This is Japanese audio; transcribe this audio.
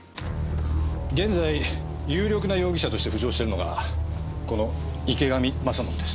現在有力な容疑者として浮上してるのがこの池上正宣です。